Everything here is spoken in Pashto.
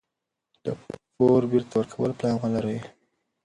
د پور بیرته ورکولو پلان ولرئ.